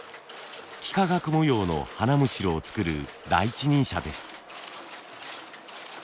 幾何学模様の花莚を作る第一人者です。